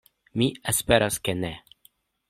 Mi esperas ke ne.